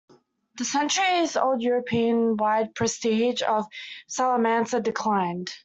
The centuries-old European wide prestige of Salamanca declined.